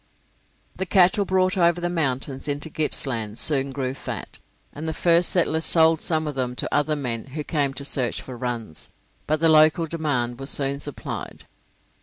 The cattle brought over the mountains into Gippsland soon grew fat, and the first settlers sold some of them to other men who came to search for runs; but the local demand was soon supplied.